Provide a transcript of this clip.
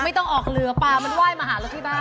ต้องออกเรือปลามันไหว้มาหาเราที่บ้าน